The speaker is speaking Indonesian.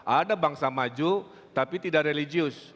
ada bangsa maju tapi tidak religius